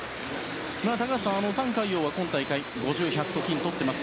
高橋さんタン・カイヨウは今大会５０、１００ｍと金をとっています。